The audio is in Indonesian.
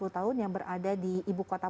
enam puluh tahun yang berada di ibukota